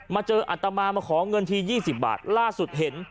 เจออัตมามาขอเงินที๒๐บาทล่าสุดเห็น